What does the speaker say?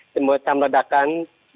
semua tam redakan